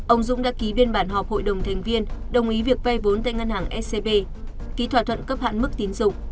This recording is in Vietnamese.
ông dũng đã ký biên bản họp hội đồng thành viên đồng ý việc vay vốn tại ngân hàng scb ký thỏa thuận cấp hạn mức tín dụng